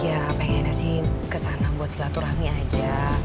ya pengennya sih ke sana buat silaturahmi aja